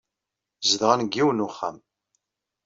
Zedɣen deg yiwen n uxxam.